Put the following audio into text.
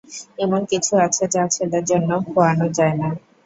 এমন কিছু আছে যা ছেলের জন্যেও খোওয়ানো যায় না।